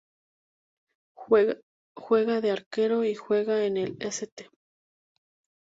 Juega de arquero y juega en el St.